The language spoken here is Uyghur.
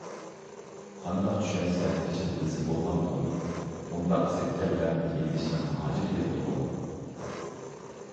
قانداق چۈشەنسە ئىچىدە بىلسە بولمامدۇ؟ ئۇنداق سەت گەپلەرنى يېزىشنىڭ ھاجىتى يوقتىغۇ؟